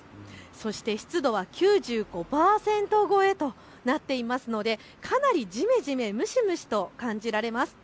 そして湿度は９５％超えとなっていますのでかなりじめじめ蒸し蒸しと感じられます。